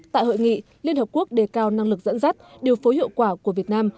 tại hội nghị liên hợp quốc đề cao năng lực dẫn dắt điều phối hiệu quả của việt nam